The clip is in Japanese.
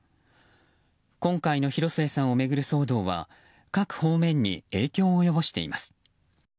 今回の広末さんを巡る騒動は各方面に影響を及ぼしています。